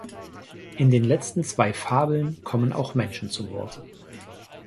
In den letzten zwei Fabeln kommen auch Menschen zu Wort.